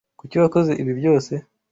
Kuki wakoze ibi byose?